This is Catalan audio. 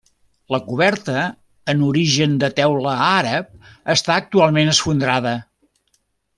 La coberta, en origen de teula àrab, està actualment esfondrada.